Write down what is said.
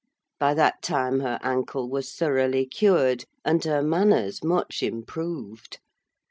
By that time her ankle was thoroughly cured, and her manners much improved.